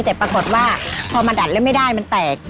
แต่ปรากฏว่าพอมาดัดแล้วไม่ได้มันแตก